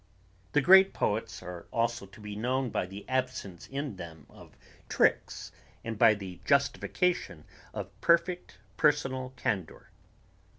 The great poets are also to be known by the absence in them of tricks and by the justification of perfect personal candor.